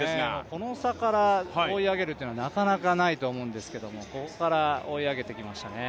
この差から追い上げるというのはなかなか、ないと思うんですけどここから追い上げてきましたね。